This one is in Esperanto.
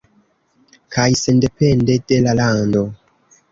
Kaj sendepende de la lando.